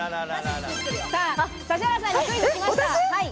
さぁ、指原さんにクイズきました。